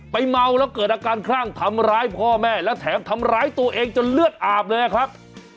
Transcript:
เมาแล้วเกิดอาการคลั่งทำร้ายพ่อแม่แล้วแถมทำร้ายตัวเองจนเลือดอาบเลยครับ